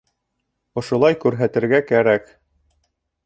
Ошолай күрһәтергә кәрәк!